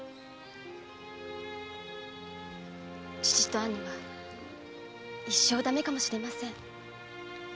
父と兄は一生だめかもしれません。